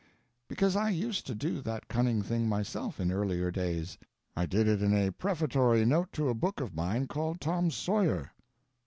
] Because I used to do that cunning thing myself in earlier days. I did it in a prefatory note to a book of mine called Tom Sawyer.